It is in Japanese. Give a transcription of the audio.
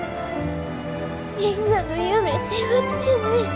みんなの夢背負ってんねん。